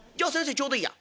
ちょうどいいや。